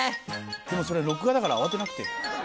でもそれ録画だから慌てなくていいんですよ。